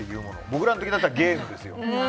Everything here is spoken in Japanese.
僕らの時だったらゲームですよ。